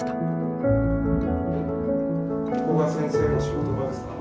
ここが先生の仕事場ですか？